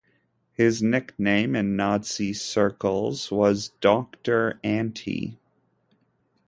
His nickname in Nazi circles was "Doctor Anti".